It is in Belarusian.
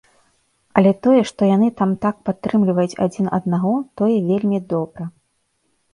Але тое, што яны там так падтрымліваюць адзін аднаго, тое вельмі добра.